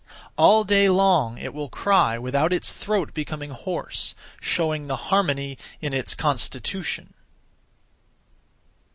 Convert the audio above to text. All day long it will cry without its throat becoming hoarse; showing the harmony (in its constitution).